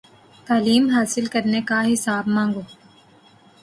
تعلیم حاصل کرنے کا حساب مانگو